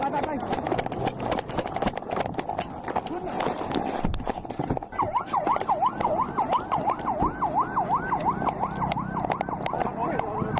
เมื่อเวลาเมื่อเวลาเมื่อเวลาเมื่อเวลา